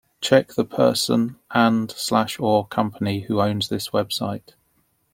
Check the person and/or company who owns this website.